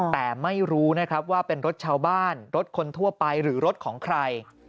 แต่ไม่รู้นะครับว่าเป็นรถชาวบ้านรถคนทั่วไปหรือรถของใคร